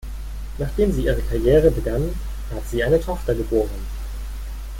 Nachdem sie ihre Karriere begann, hat sie eine Tochter geboren.